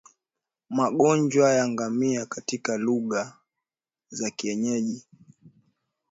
Magonjwa ya ngamia katika lugha za kienyeji